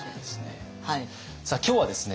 さあ今日はですね